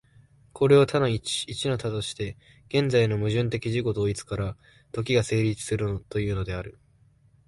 これを多の一、一の多として、現在の矛盾的自己同一から時が成立するというのである。